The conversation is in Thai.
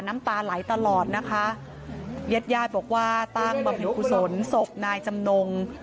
น้ำตาไหลตลอดนะคะเย็ดย่ายบอกว่าตั้งบำเผ็ดภูสนศพนายจำนง